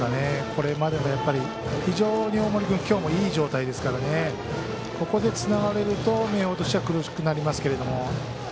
これまでも、やっぱり非常に大森君今日もいい状態ですからここでつながれると明豊としては苦しくなりますけれども。